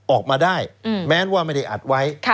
ออกมาได้แม้ว่าไม่ได้อัดไว้